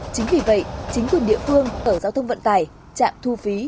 chính vì vậy chính quyền địa phương ở giao thông vận tải chạm thu phí